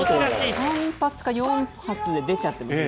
３発か４発で出ちゃってますね。